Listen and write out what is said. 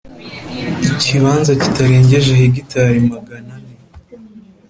Ikibanza kitarengeje hegitari magana ane